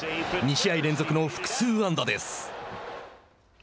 ２試合連続の複数安打です。